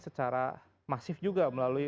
secara masif juga melalui